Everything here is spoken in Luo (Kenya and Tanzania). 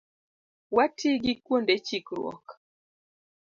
Wati gi kuonde chikruok